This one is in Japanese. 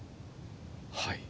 はい。